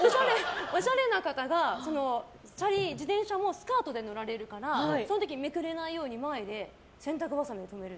おしゃれな方が自転車にスカートで乗られるからその時にめくれないように前で洗濯ばさみで止める。